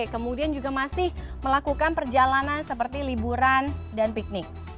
kemudian juga masih melakukan perjalanan seperti liburan dan piknik